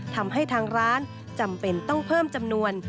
ทำให้ทางร้านจำเป็นต้องเพิ่มจำนวน